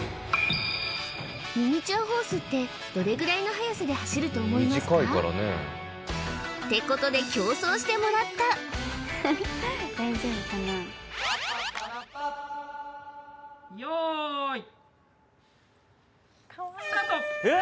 ミニチュアホースってどれぐらいの速さで走ると思いますか？ってことで競争してもらった用意えっ！？